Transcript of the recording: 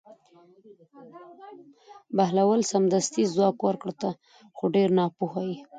بهلول سمدستي ځواب ورکړ: ته خو ډېر ناپوهه یې.